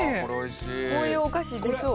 こういうお菓子出そう。